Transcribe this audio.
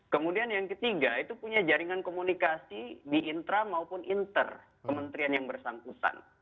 kemudian yang ketiga itu punya jaringan komunikasi di intra maupun inter kementerian yang bersangkutan